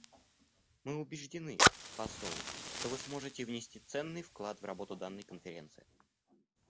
Мы убеждены, посол, что Вы сможете внести ценный вклад в работу данной Конференции.